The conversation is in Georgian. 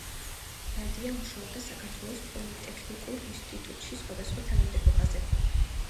ლანდია მუშაობდა საქართველოს პოლიტექნიკურ ინსტიტუტში სხვადასხვა თანამდებობაზე.